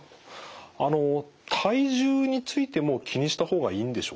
あの体重についても気にした方がいいんでしょうか？